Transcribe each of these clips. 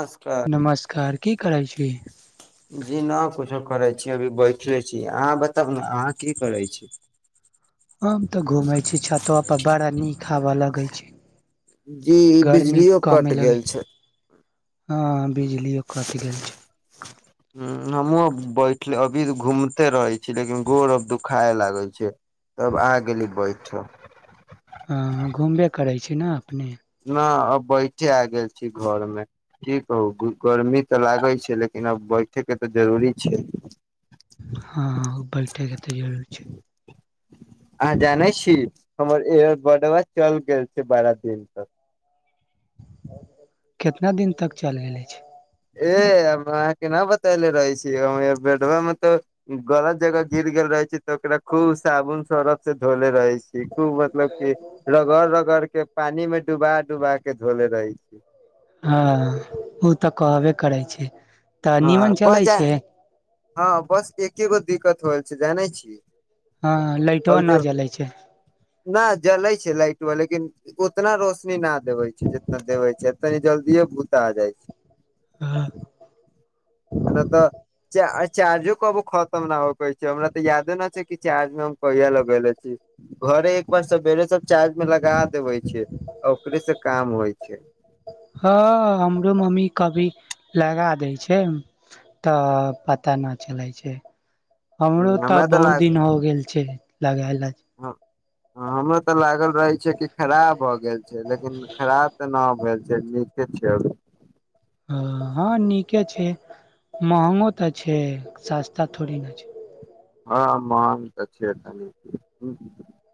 नमस्कार नमस्कार की करै छी जी नहि कुछो करै छी अभी बैठले छी अहाँ बताउ ने अहाँ की करै छी हम ते घूमे छी छतवा पर बड़ा नीक हवा लगे छै जी ई गर्मी बिजलियो कमे कटि लगे गेल छै हँ बिजलि यो कटि गेल छै ह हमहुँ बैठले अभी घूमते रहे छीय लेकिन गोर अब दुखाए लागै छै तब अहाँ गेली बैठ हँ हँ घुमबे करै छी न अपने न अब बैठे आ गेल छी घर मे की कहू गर्मी तऽ लागै छै लेकिन आब बैठेके तऽ जरूरी छै हँ बैठै के तऽ इहे छै आँहा जानै छी हमर इयरबडबा चल गेल छै बारा दिन तऽ केतना दिन तक चल गेल अछि। ए अहाँके न बतले रहै छी हमर इयरबडबा मे तऽ गलत जगह गिर गेल रहे छै तऽ ओकरा खूब साबुन सरफ से धोले रहै छी। ए खूब मतलब की रगड़-रगड़ के, पानी मे डुबा-डुबा के धोले रहै छी। हँ उ तऽ कहबे करै छै। तऽ हँ नीमन बस चलै जा छै? हँ बस एके गो दिक्कत होएल छै, जानै छी हँ आ लाइटवा जे न जलै छै न जलै छै लाइटवा लेकिन उतना रोशनी न देवै छै जितना देवै छै जतेक जल्दिए भूता जाइ छै हँ न तऽ च चार्जो कबो खतम न होखेै हमरा तऽ यादे न छै कि चार्ज मे हम कहिया लगेले छी घरे एक बार सेबेरे सब चार्ज मे लगा देवै छियै आ ओकरे से काम होइ छै हँ हमरो मम्मी कभी लगा दै छै तऽ पता न चलै छै हमरो तऽ बहुत दिन हो गेल छै, लगायला हँ हँ हमरा तऽ लागल रहै छै कि खराब भए गेल छै लेकिन खराब तऽ न भेल छै, नीके छै अभी हँ नीके छै, महंगो तऽ छै सस्ता थोड़ी ने छै हँ महंन तऽ छै कनी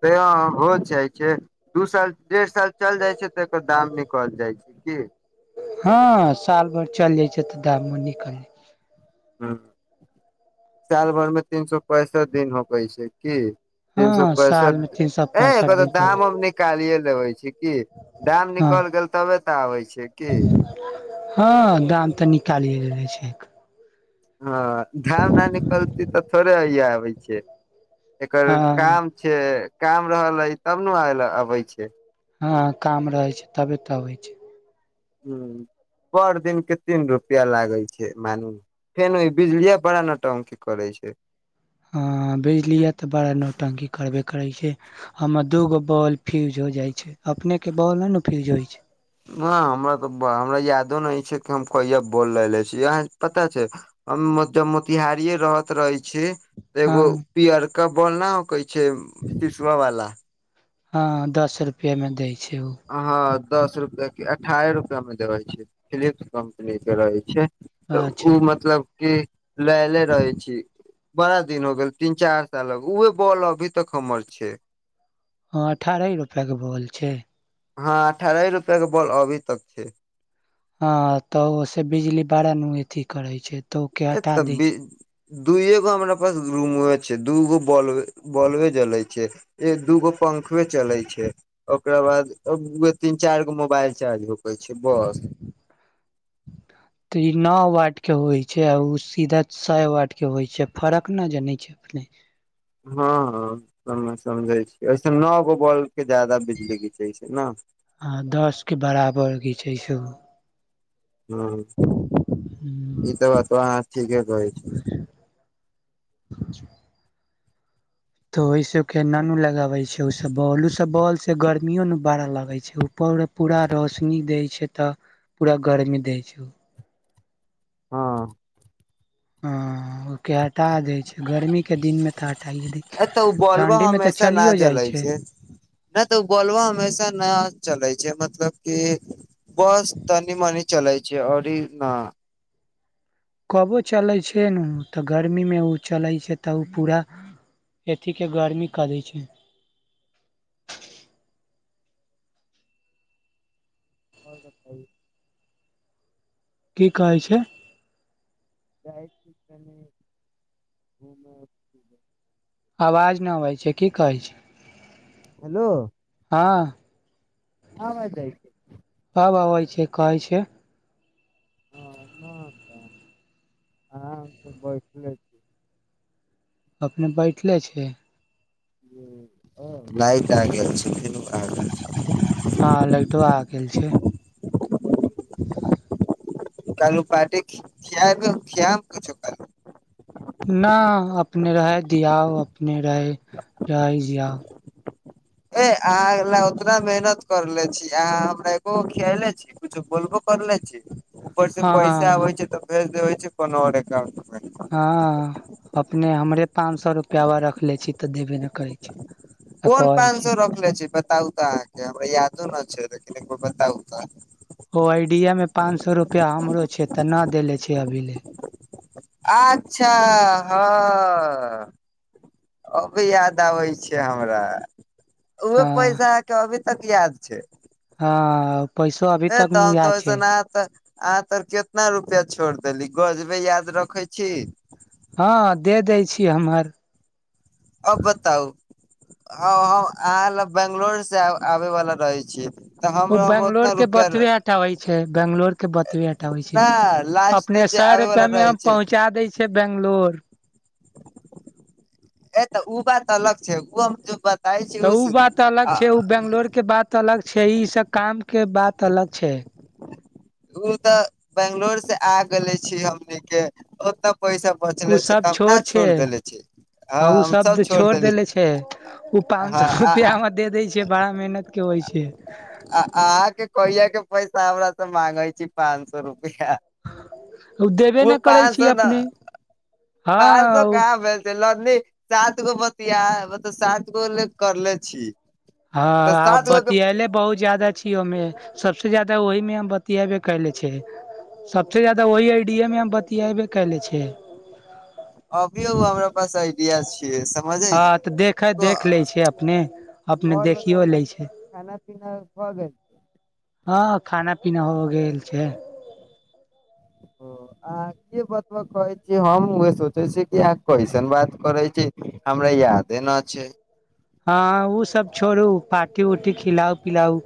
त हो जाइ छै दू साल, डेढ़ साल चल जाइ छै तऽ एकर दाम निकल जाइ छै की हँ साल भर चल जाइ छै तऽ दामो निकल जाय हँ साल भर मे तीन सो पैंसठ दिन होखै छै की तीन सौ हँ साल मे पैसठ तीन सए ए तब पैंसठ तऽ दिन दाम उम निक कालिये लेबे छै कि। दाम हँ निकलि गेल तबे तऽ आबे छै, की हँ दाम तऽ निकालिये लेबै छै हँ धाम न निकलतै तऽ थोड़े अय य आबै छै। एकर हँ काम छे काम रहलै तब ने आवेल अबै छै हँ काम रहै छै तबे तऽ आबय छै हुँ पर दिन के तीन रुपया लागै छै मानु न फेनू ई बिजलिया बड़ा नौटंकी करै छै हाॅं बिजलीया तऽ बड़ा नौटंकी करबे करै छै हमर दूगो बॉल फ्यूज हो जाय छै, अपने के बॉल न न फ्यूज होइ छै हँ हमरा तऽ ब हमरा तऽ यादो नय छै कि हम कहिया बोल लेलै छी अहाँ के पता छै? हम मोत मोतिहारीए रहत रहै छी हँ एगो पियरका बॉल न होकै छै, पिशुआ वाला हँ, दस रुपैएमे दै छै उ हाँ दस रुपआ की, अठारह रुपआ मे देबे छै। फिलिप्स कम्पनी के रहै छै तऽ अच्छा ओ मतलब कि लयले रहै छी बड़ा दिन हो गेल, तीन-चार सालक। उहे बॉल अभी तक हमर छै हँ अठारह रुपैयाके बोल छै? हँ अठारह रुपया के बॉल अभी तक छै ह तऽ ओसे बिजली बारा नू अथी करै छै तऽ ओके ए हटा तऽ दै बि छै दूएगो हमरा पास रूमवे छै, दूगो बॉलवे बॉलवे जले छै, एक दूगो पंखवे चलै छै ओकरा बाद तीन-चारि गो मोबाइल चार्ज होकै छै, बस ई नओ वार्ड के होय छै, उ सीधा छय वार्ड के होय छै। फरक ने जान छै? अपने [unintelligible] हँ हँ हँ मे समझै छी। वेसे नओ गो बल्ब के ज्यादा बिजली घीचै छै ने? आ दसके बराबर घिचै छै बल्ब हँ, ई त बतवा अहाँ ठीके कहै छिये [inaudible] तऽ ओय सब के नानू लगाबै छै ओ सब बॉल ओ सब बॉल से गर्मियो न बड़ा लगै छै उपौर पूरा रोशनी दै छै तऽ पूरा गरमी दै छै हँ ह ओ [inaudible] के हटा देय छै गर्मीके दिनमे तऽ हटाइए दऽ छै, ए तऽ ओ बॉलबा ठण्डी मे तऽ हमेशा न चलियो जले जाइ छै नहि तऽ ओ बोलबा हमेशा नया चलै छै, मतलब कि बस तनी-मनी चलै छै, ओरी न कबो चलै छै ने तऽ गर्मीमे ओ चलै छै तऽ ओ पूरा। ए ठीक के गर्मी कऽ दे छै और बताइयौ की कहै छैये जाइ छी कनि घुमैय -फिरय आवाज नैय अबै छै की कहै छीये हेलो [inaudible] हँ आबदै [inaudible] अब अबै छै कहै छै। ह आहाँ कुछ बैजते नैय [inaudible] अपने बैठले छी कि लाइट आ गेल छै आ ह लाइटबा आ गेल छै कालौ पार्टी खिया- खिया के किछो कि न अपने रहे दियाउ अपने रहे रहै जियाउ ए आहाँ ले उतना मेहनत करले छी आहाँ हमरा एको गो खियले छी। कुछो बोलबो करले छी ऊपर से हँ पैसा आबे छै तऽ भेज देे छै कोनो और [inaudible] एकाउंट पर ह अपने हमरे पांच सौ रुपयावा रखले छी तऽ देबे नैय करै छी कोन पाँन सौ रखने खते छी बताउ तऽ आहाँ के हमरा यादो न छै लेकिन बताउ तऽ ओ आइडिया मे पाँच सै रुपैया हमरो छै तऽ नैय देले छै अभी लेल आच्छा हाँ अभी याद आबै छै हमरा उहो हँ पैसा के अभी तक याद छै हँ पैसवा अभी ए तक तऽ मे हम तो याद ऐसन छैय अहाँ तऽ आहाँ केितना रुपया छोड़ देली गजबे याद रखेै छी ह दे दै छी हमर अब बताउ आहाँ लग बंगलोर से आबै वाला रहै छि ओ बैंगलोर के बतबे हटाबै छै बैंगलोर के बतबे हटाबै न छै लास्ट पने दिन जे सौ आबे वाला रुपैया मे रहे हम छै पहुँचा दै छियै बैंगलोर ए तऽ ओ बात अलग छै उ मु जेब बात तऽ उ बात अलग छै उ बैंगलोर के बात अलग छै ई सब काम के बात अलग छै ओ तऽ बैंगलोर से आ गेलेै छी हमनी के ओतऽ पैसा ओ बचले छै सब तब न छै छोड़ देेले छै आ उ शब्द छोड़ देेले छै उ पाँच सौ रुपया हँ मे दे देैय छै बड़ा मेहनत के होय छै आहाँ के कहिय के पैसा हमरा से मांगै छी पाँंच सौ रुपया उदेख उ पाँच सौ न पाँच सौ हँ कहाँ भेल लनी सात गो बतिया सात गो ल करले छी ह तऽ आ सात गो के बतयौले बहुत ज्यादा छी ओय मे सब से ज़्यादा ओहिमे हम बतियाएबे कयले छै सभसँ ज्यदा ओहि आइडियएमे हम बतिएबे कयले छै अभी हमरा बस आयडिया छियै समझै हँ छी तऽ देख देख ले छै अपने अपने और देखियो बताउ न लै छै खाना पीना भऽ गेल ह खाना पीना हो गेल छैय ओ आ ई बतबा कहै छी हम उह सोचै छी कि अह कैसन बात करै छी हमरा यादे न छै हँ ओ सब छोड़ू पार्टी उर्टी खिलाउ पिलाउ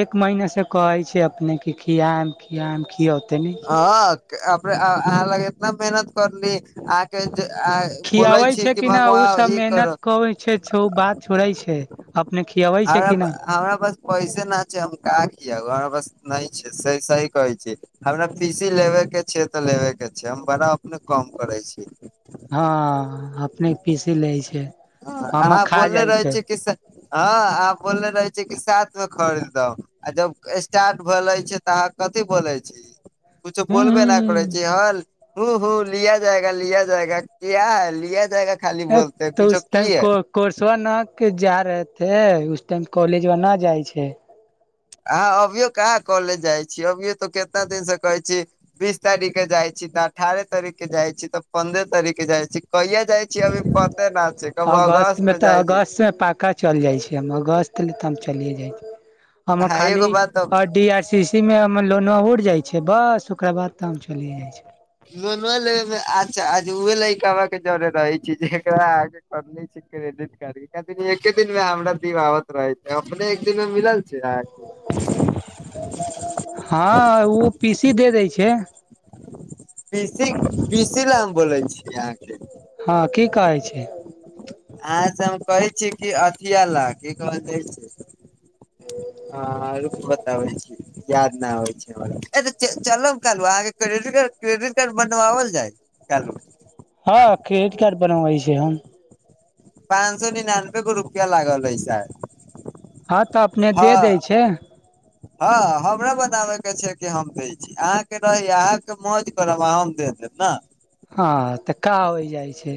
एक महिीनासँ कहै छै अपनेके खियाम खियाम खियात ह अपनेे अ लगतना मेहनत करली आके बोलै खियाबै छी छै कि न मंगवा ओ सब ई मेहनत करब करै छै बात छोड़ै छै अपने खियाबै छै हमरा कि न हमरा पास पैसे न छै हम का कियब बा बसकि नहि छै से सही कहै छी हमरा पीसी लेबेके छै तऽ लेबेके छै हम बड़ा अपने कम करै छीय हँ अपने पीस लै छै हम अहाँ खा बोलने जाइ रहै छै छी कि से हँ आ बोलले रहे छै कि साथ मे खरीद आ जब स्टार्ट भ रहले छै तऽ अहाँ कथी बोलाय [unintelligible] किछु हूं बोलबे न कहै हूं छीहल हू हूँ लिया जायगा लिया जायगा क्या लिया जायगा खाली बोलतै कुछो उ टाइम की है को कोर्सवा न के जा रहे थे उस टाइम कॉलेजबा न जाइ छै अहाँ अभियो कहाँ कॉलेज जाइ छीयै अभियो तो कितना दिन से कहै छी बीस तारीख के जाइ छी तऽ अठारह तारीख के जाइ छी तऽ पंन्द्रह तारीख के जाइ छी कहिया जाइ छी अभी पते न छै कबो अगस्त मे जाइ छै से पाकच चलि जाइ छी हम अगस्त ले तऽ हम चलिए जाइ छी हम अहाँ खाली एगो बात डी आर सी तीन महिनामे लोनमा उठि जाइ छै बस ओकरा बाद तऽ हम चलि जाइ छै लोनमा लेबे मे अच्छा आज उहे लैका बा जड़े रहै छै जेर एकरिआगे करने छै क्रेडिट कार्ड एके दिन मे हमरा दीवावत रहै छै अपने एक दिन मे मिलल छै अहाँके हँ ओ पीसी दे दै छै पीसी पीसी ला हम बोलै छी अहाँके हँ की कहै छियै अहाँ से हम कहै छियै कि अथिय ला की कहल जाइ छै आ रुकु बताबै छी याद न आबै छी ए तऽ चलब कालु अहाँके क्रेडिट कार्ड बनवाओल जायत कालु हँ क्रेडिट कार्ड बनबै छै हम पाँच सए निनानबे गो रुपया लागल हय सायद हँ तऽ अपने दे दै छै हँ हमरा बताबेके छै कि हम दै छी अहाँके रहै अहाँके मौज ब आ हम दे देब न हँ तऽ का होइ जाइ छै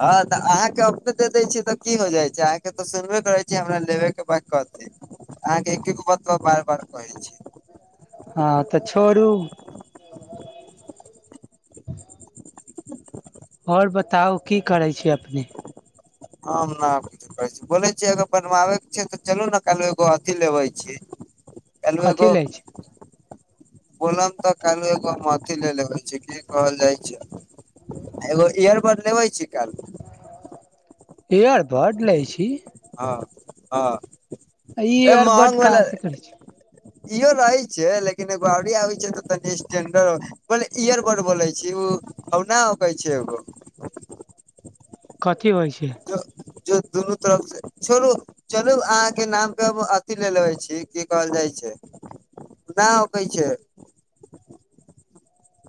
हँ तऽ अहाँके अपने दे दै छियै तऽ की हो जाइ छै अहाँके तऽ सुनबे करै छी हमरा लेबे के बात कते अहाँके एके गो बातबा बार बार कहै छी हँ तऽ छोड़ू [inaudible] आओर बताउ की करै छी अपने हम न अभी बोलै छियै अगर बनवाबे के छै तऽ चलू ने कल एगो अथी लेबै छी कलु कथी एगो लै छी बोलम तऽ कलू एगो अथी ले लेबइ छै की कहल जाइ छै आ एगो इयरबड लेबै छी कल इयरबड लै छी हँ हँ आ ई ए महंग इयरबड का वाला अथी करै छी इहो रहै छै लेकिन एगो आउरी आबै छै तऽ तनी स्टैंडर पहिले इयरबड बोलै छी उ हउ ना होखै छै एगो कथी होइ छै जो दुनू तरफ से छोरू चलू अहाँके नाम कहब अथी ले लेबै छी की कहल जाइ छै नि ओकै छै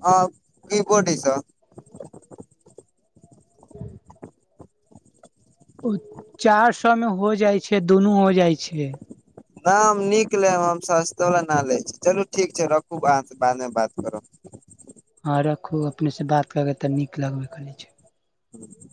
हँ की बोर्ड ई सब [inaudible] उ चार सो मे हो जाइ छै दुनू हो जाइ छै। ना हम नीक लेब हम सस्तो बला ना लै छी चलू ठीक छै रखू अहाँ से बाद मे बात करब हँ रखू अपने से बात कर तऽ नीक लगबै करै छै [unintelligible]